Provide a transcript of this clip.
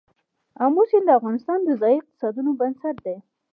آمو سیند د افغانستان د ځایي اقتصادونو بنسټ دی.